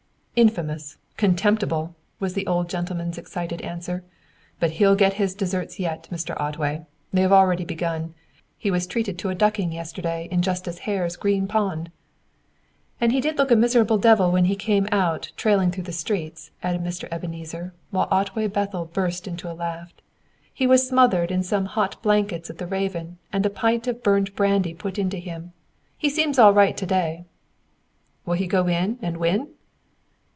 "Infamous! Contemptible!" was the old gentleman's excited answer. "But he'll get his deserts yet, Mr. Otway; they have already begun. He was treated to a ducking yesterday in Justice Hare's green pond." "And he did look a miserable devil when he came out, trailing through the streets," added Mr. Ebenezer, while Otway Bethel burst into a laugh. "He was smothered into some hot blankets at the Raven, and a pint of burnt brandy put into him. He seems all right to day." "Will he go in and win?"